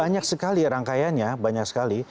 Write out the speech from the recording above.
banyak sekali rangkaiannya banyak sekali